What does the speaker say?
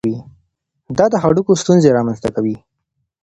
دا د هډوکو ستونزې رامنځته کوي.